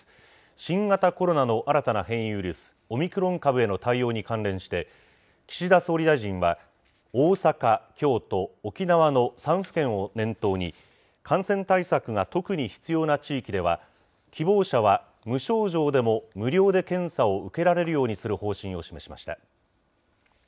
新型コロナの新たな変異ウイルス、オミクロン株への対応に関連して、岸田総理大臣は、大阪、京都、沖縄の３府県を念頭に、感染対策が特に必要な地域では、希望者は無症状でも無料で検査を受けられるようにする方針を示しました。